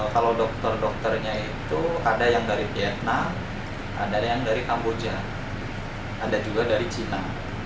kalau dokter dokternya itu ada yang dari vietnam ada yang dari kamboja ada juga dari cina